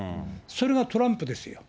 それがトランプですよ。